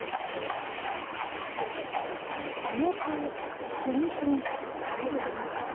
梅とれんこん相性がいいんですね。